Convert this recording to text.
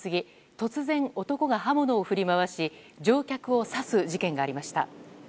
突然、男が刃物を振り回し乗客を刺す事件がありました。